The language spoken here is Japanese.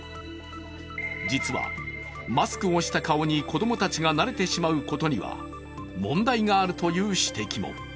実はマスクをした顔に子供たちが慣れてしまうことには問題があると指摘も。